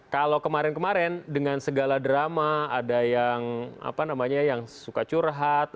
kalau kemarin kemarin dengan segala drama ada yang suka curhat